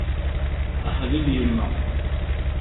Aḥlil yemma!